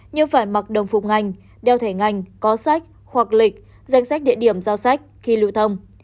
như phải mặc đồng phục ngành đeo thẻ ngành có sách hoặc lịch danh sách địa điểm giao sách khi lưu thông